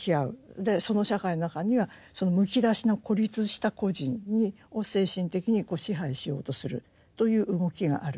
その社会の中にはそのむき出しの孤立した個人を精神的に支配しようとするという動きがあると。